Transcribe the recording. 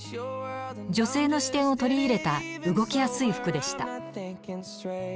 女性の視点を取り入れた動きやすい服でした。